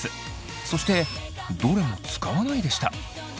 そしてどれも使わないでした。